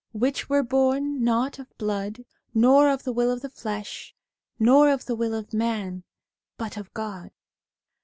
1 Which were born, not of blood, nor of the will of the flesh, nor of the will of man, but of God.'